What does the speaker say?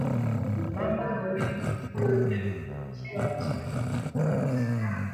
Mambo mawili makuu yalizungumziwa katika vikao hivi uhusiano